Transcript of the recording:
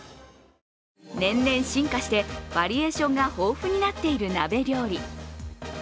年々進化してバリエーションが豊富になっている鍋料理。